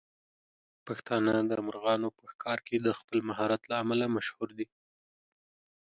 پښتانه د مرغانو په ښکار کې د خپل مهارت له امله مشهور دي.